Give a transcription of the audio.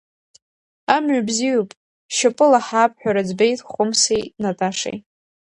Амҩа бзиоуп, шьапыла ҳаап ҳәа рыӡбеит Хәымсеи Наташеи.